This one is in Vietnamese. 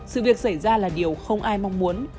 sự việc xảy ra là điều không ai mong muốn